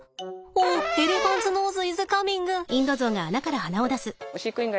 オーエレファンツノーズイズカミング。